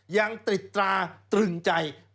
ยังติดตราตรึงใจ